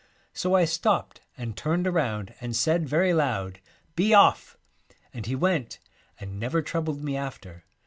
So I stopped and turned around and said, very loud, " Be off!" and he went and never troubled me after.